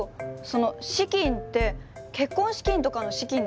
その資金って結婚資金とかの資金ですよね。